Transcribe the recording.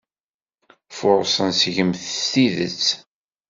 Furṣen seg-m s tidet.